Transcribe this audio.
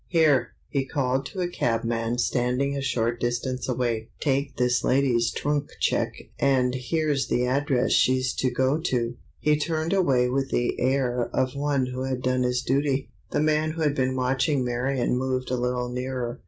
"Here!" he called to a cabman standing a short distance away. "Take this lady's trunk check and here's the address she's to go to." He turned away with the air of one who had done his duty. The man who had been watching Marion moved a little nearer.